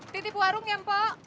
titip warung ya mpok